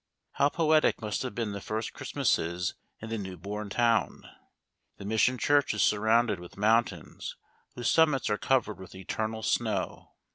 How poetic must have been the first Christmases in the new born town! The mission church is surrounded with mountains whose summits are covered with eternal snow.